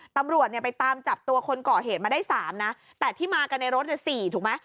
ตำรวจเนี่ยไปตามจับตัวคนก่อเหตุมาได้๓นะแต่ที่มากันในรถเนี่ย๔ถูกไหม